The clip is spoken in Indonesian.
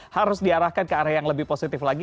harus diarahkan ke arah yang lebih positif lagi